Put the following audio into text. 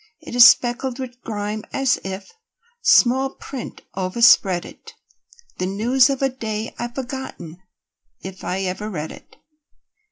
It is speckled with grime as if Small print overspread it, The news of a day I've forgotten If I ever read it.